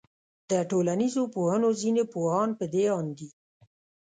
د ټولنيزو پوهنو ځيني پوهان پدې آند دي